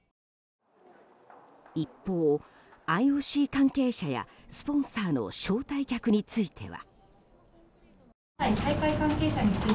一方、ＩＯＣ関係者やスポンサーの招待客については。